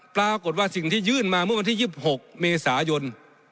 ปรากฏว่าสิ่งที่ยื่นมาเมื่อวันที่๒๖เมษายน